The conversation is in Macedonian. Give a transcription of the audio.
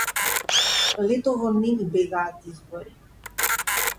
Летово не ни бегаат избори